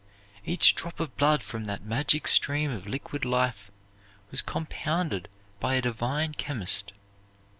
Each drop of blood from that magic stream of liquid life was compounded by a divine Chemist.